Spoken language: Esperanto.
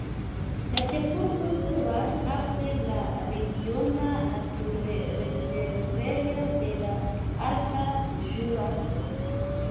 La ĉefurbo situas apud la regiona naturrezervejo de de alta Ĵuraso.